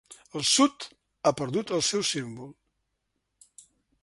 El sud ha perdut el seu símbol.